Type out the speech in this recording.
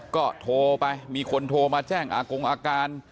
ก็โทรไปมีคนโทรมาแจ้งอากงอาการ